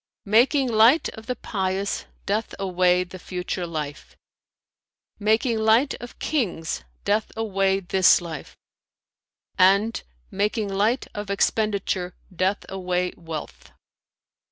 Making light of the pious doth away the future life; making light of Kings doth away this life; and, making light of expenditure doth away wealth.'"